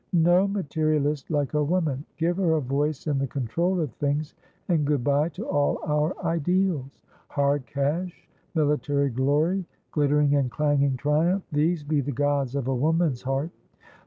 No materialist like a woman; give her a voice in the control of things, and good bye to all our ideals. Hard cash, military glory, glittering and clanging triumphthese be the gods of a woman's heart.